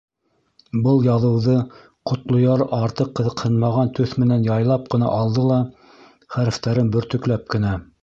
Был яҙыуҙы Ҡотлояр артыҡ ҡыҙыҡһынмаған төҫ менән яйлап ҡына алды ла хәрефтәрен бөртөкләп кенә: